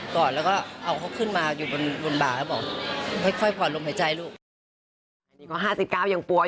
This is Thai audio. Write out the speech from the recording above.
กอดแล้วก็เอาเขาขึ้นมาอยู่บนบ่า